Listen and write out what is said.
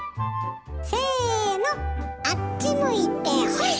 せのあっち向いてホイ！